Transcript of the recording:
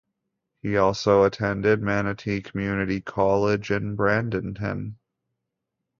He also attended Manatee Community College in Bradenton.